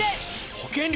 保険料